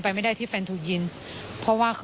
ส่วนรถที่นายสอนชัยขับอยู่ระหว่างการรอให้ตำรวจสอบ